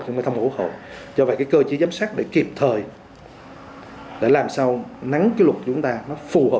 phải thông qua quốc hội do vậy cơ chế giám sát để kịp thời để làm sao nắng luật chúng ta phù hợp